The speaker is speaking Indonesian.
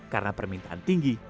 karena permintaan tinggi